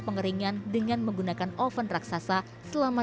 pengeringan dengan menggunakan oven raksasa selama delapan belas menit